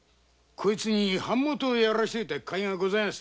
こいつに版元をやらせておいたかいが。